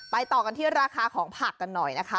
ต่อกันที่ราคาของผักกันหน่อยนะคะ